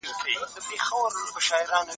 ټولني تل نویو او ګټورو بدلونونو ته اړتیا درلوده.